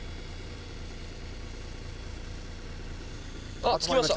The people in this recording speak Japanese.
あっ着きました。